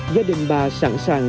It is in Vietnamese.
gia đình bà sẵn sàng